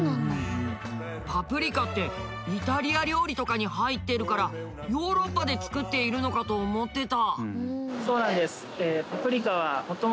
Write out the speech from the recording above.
パプリカってイタリア料理とかに入ってるからヨーロッパで作っているのかと思ってた。